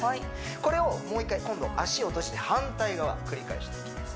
これをもう１回今度足を閉じて反対側繰り返していきます